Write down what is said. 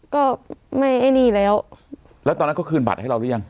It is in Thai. ก็ไม่ไอ้หนี้แล้วแล้วตอนนั้นเขาคืนบัตรให้เราหรือยัง